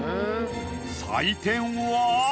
採点は。